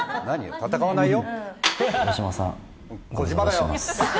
戦わないよ。